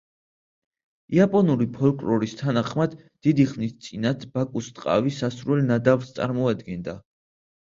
იაპონური ფოლკლორის თანახმად, დიდი ხნის წინათ ბაკუს ტყავი სასურველ ნადავლს წარმოადგენდა.